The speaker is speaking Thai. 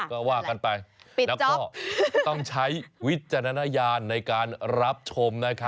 ก็ว่ากันไปแล้วก็ต้องใช้วิจารณญาณในการรับชมนะครับ